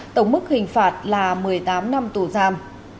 tổng mức hình phạt là một mươi tám năm tù giam